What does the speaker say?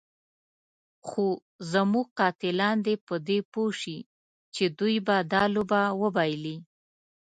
خو زموږ قاتلان دې په دې پوه شي چې دوی به دا لوبه وبایلي.